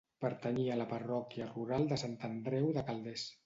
Pertanyia a la parròquia rural de Sant Andreu de Calders.